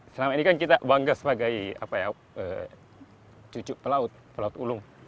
selama ini kan kita bangga sebagai cucu pelaut pelaut ulung